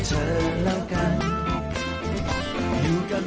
จัดไปเลยคุณผู้ชม